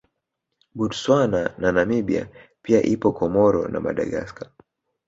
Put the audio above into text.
Botswana na Namibia pia ipo Comoro na Madagascar